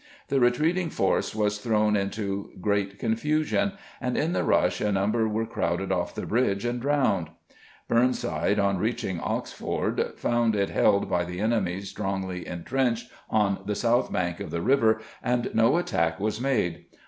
The retreating force was thrown into great confusion, and in the rush a number were crowded off the bridge and drowned. Burnside, on reaching Ox Ford, found it held by the enemy strongly intrenched on the south bank of the river, and no attack was made.